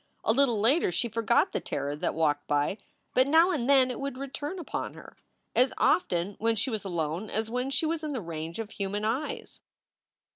A little later she forgot the terror that walked by, but now and then it would return upon her as often when she was alone as when she was in the range of human eyes.